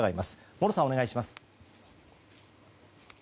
茂呂さん、お願いします。